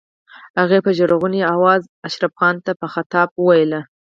هغې په ژړغوني آواز اشرف خان ته په خطاب وويل.